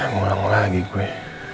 mulai mulai lagi gue